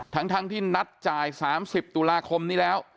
ทั้งที่นัดจ่าย๓๐ตุลาคมนี้แล้ว